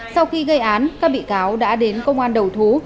sau khi gây án các bị cáo đã đến công an đầu thú